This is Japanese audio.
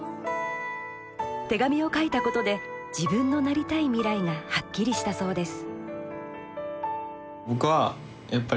手紙を書いたことで自分のなりたい未来がはっきりしたそうです。